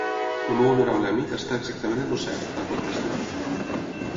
“El meu honorable amic està exactament en el cert”, ha contestat.